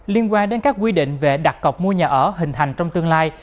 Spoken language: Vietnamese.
liên quan đến các quy định về đặt cọc mua nhà ở hình thành trong tương lai